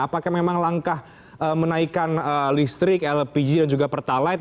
apakah memang langkah menaikkan listrik lpg dan juga pertalite